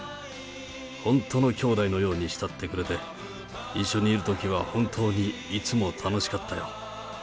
本当の兄弟のように慕ってくれて、一緒にいるときは本当にいつも楽しかったよ。